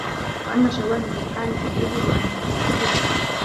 وَأَنَّ شَوَاهِدَ الْحَالِ تُخْرِجُهُ عَنْ تَلْبِيسِ الْكَذِبِ